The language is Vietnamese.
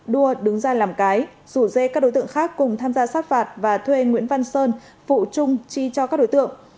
đua đứng ra làm cái rủ dê các đối tượng khác cùng tham gia sát phạt và thuê nguyễn văn sơn phụ chung chi cho các đối tượng